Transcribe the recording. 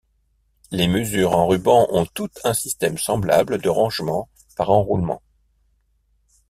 Les mesures en ruban ont toutes un système semblable de rangement par enroulement.